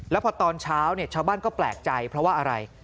แล้วพอตอนเช้าชาวบ้านก็แปลกใจเพราะว่าอะไร